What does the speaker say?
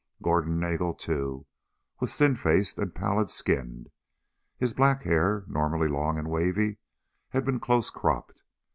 Gordon Nagel, too, was, thin faced and pallid skinned. His black hair, normally long and wavy, had been close cropped.